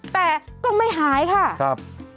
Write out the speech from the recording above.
แต่ก็ไม่หายค่ะ